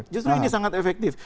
justru ini sangat efektif